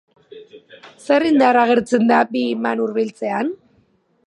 Zer indar agertzen da bi iman hurbiltzean?